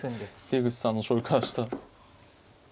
出口さんの将棋からしたら。